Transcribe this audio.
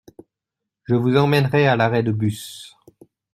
Je vous emmènerai à l’arrêt de bus.